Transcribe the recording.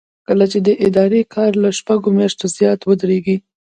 کله چې د ادارې کار له شپږو میاشتو زیات ودریږي.